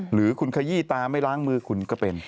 หรือคุณขยี้ตาไม่ล้างมือคุณก็เป็น